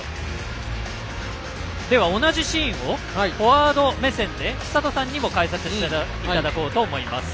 では、同じシーンをフォワード目線で寿人さんにも解説していただきます。